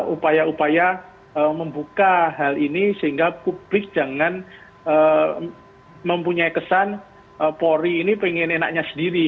upaya upaya membuka hal ini sehingga publik jangan mempunyai kesan polri ini pengen enaknya sendiri